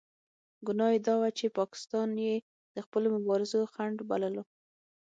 ګناه یې دا وه چې پاکستان یې د خپلو مبارزو خنډ بللو.